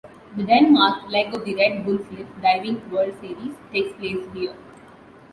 The Denmark leg of the Red Bull Cliff Diving World Series takes place here.